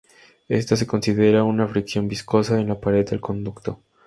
Esta se considera una fricción viscosa en la pared del conducto.